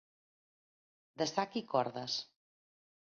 De sac i cordes.